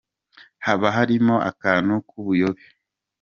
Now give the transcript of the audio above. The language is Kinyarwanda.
Haba harimo akantu k’ubuyobe